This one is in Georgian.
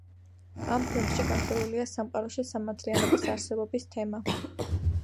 ამ ფილმში განხილულია სამყაროში სამართლიანობის არსებობის თემა.